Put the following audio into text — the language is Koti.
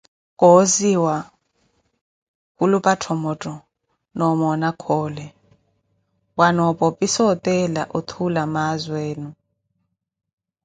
Kooziwa-Khulupa Tthomotto nomoona Khoole- wanopopisa otela othuula mwaazu enu.